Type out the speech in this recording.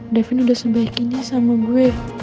dalvin udah sebaik ini sama gue